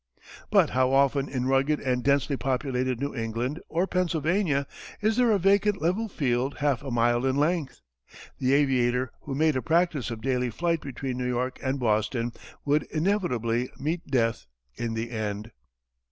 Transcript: But how often in rugged and densely populated New England, or Pennsylvania is there a vacant level field half a mile in length? The aviator who made a practice of daily flight between New York and Boston would inevitably meet death in the end.